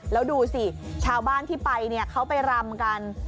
แล้วดูสิชาวบ้านที่ไปเนี่ยเขาไปรำกัน